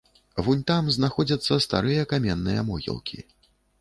Вунь там знаходзяцца старыя каменныя могілкі.